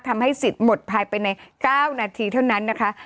ทำให้สิทธิ์หมดภายใน๙นาทีเท่านั้นนะคะ